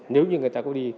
nếu như người ta có đi